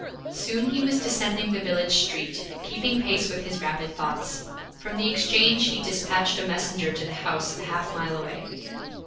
Soon he was descending the village street, keeping pace with his rapid thoughts. From the exchange he dispatched a messenger to the house a half mile away.